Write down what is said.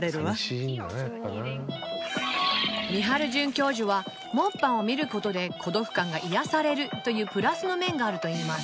ミハル准教授はモッパンを見る事で孤独感が癒やされるというプラスの面があるといいます